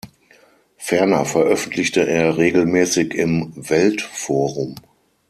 Ferner veröffentlichte er regelmäßig im "Welt-Forum".